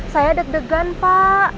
saya deg degan pak